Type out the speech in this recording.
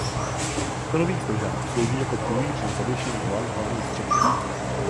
Betonový stožár slouží jako pilíř na zavěšení lan hlavní střechy.